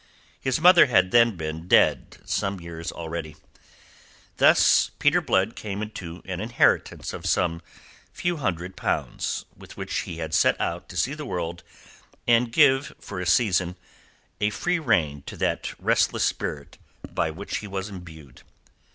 His mother had then been dead some years already. Thus Peter Blood came into an inheritance of some few hundred pounds, with which he had set out to see the world and give for a season a free rein to that restless spirit by which he was imbued.